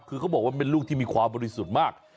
คือเขาบอกว่าเป็นลูกที่มีความบริสุทธิ์มาก